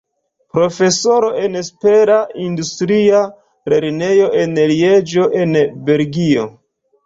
Profesoro en Supera Industria Lernejo en Lieĝo en Belgio.